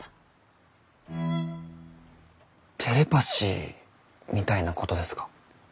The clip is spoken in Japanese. テレパシーみたいなことですか？